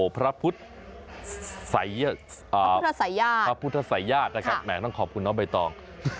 พระพุทธาศัยญาตแหมงต้องขอบคุณนะใบตอง